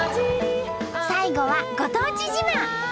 最後はご当地自慢。